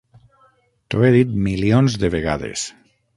T'ho he dit milions de vegades.